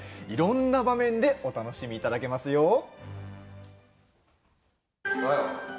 いろんな場面でお楽しみいただけますよ。